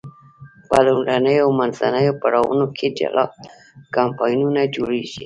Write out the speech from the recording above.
په لومړنیو او منځنیو پړاوونو کې جلا کمپاینونه جوړیږي.